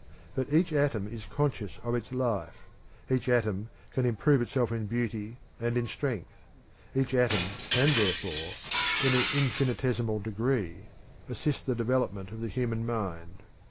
But each atom is conscious of its life; each atom can improve itself in beauty and in strength; each atom can therefore, in an infinitesimal degree, assist the development of the Human Mind.